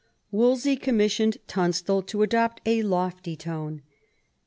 Wolsey commissioned Tunstal to adopt a lofty tone.